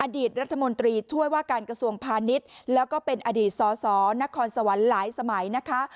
อดีตรัฐมนตรีช่วยว่าการกระทรวงพาณิชย์แล้วก็เป็นอดีตสสนครสวรรค์หลายสมัยนะคะ